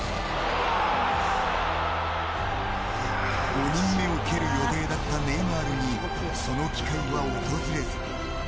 ５人目を蹴る予定だったネイマールにその機会は訪れず。